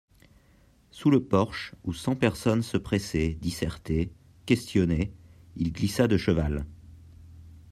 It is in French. Sous le porche, où cent personnes se pressaient, dissertaient, questionnaient, il glissa de cheval.